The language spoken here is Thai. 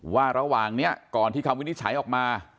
ว่าระหว่างนี้ก่อนที่คำวินิจฉัยออกมา